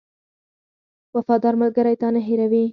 • وفادار ملګری تا نه هېروي.